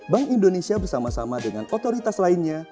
bank indonesia bersama sama dengan otoritas lainnya